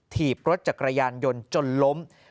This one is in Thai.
ถีบรถจักรยานยนต์จนล้ม